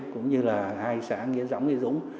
cũng như là hai xã nghĩa dõng nghĩa dũng